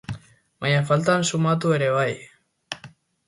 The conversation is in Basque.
Baina faltan sumatu ere bai!